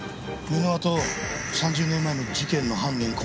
箕輪と３０年前の事件の犯人